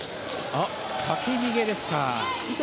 かけ逃げですか。